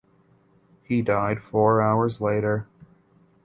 He died four hours later.